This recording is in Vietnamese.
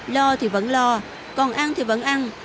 lo thì vẫn lo còn ăn thì vẫn ăn